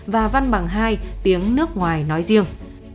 và văn bằng hai tiếng nước ngoài nói riêng